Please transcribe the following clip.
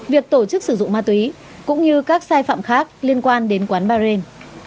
việc tổ chức sử dụng ma túy cũng như các sai phạm khác liên quan đến quán barrin